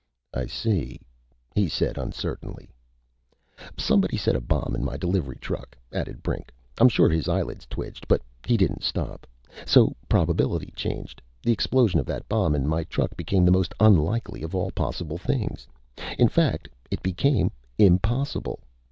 "I see," he said uncertainly. "Somebody set a bomb in my delivery truck," added Brink. "I'm sure his eyelids twitched, but he didn't stop. So probability changed. The explosion of that bomb in my truck became the most unlikely of all possible things. In fact, it became impossible.